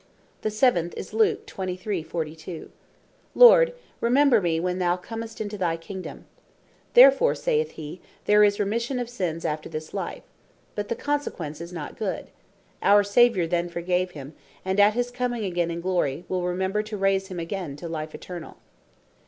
"The seventh is Luke 23. 42. "Lord remember me when thou commest into thy Kingdome:" Therefore, saith hee, there is Remission of sins after this life. But the consequence is not good. Our Saviour then forgave him; and at his comming againe in Glory, will remember to raise him againe to Life Eternall.